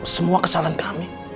semua kesalahan kami